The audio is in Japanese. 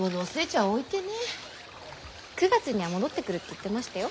９月には戻ってくるって言ってましたよ。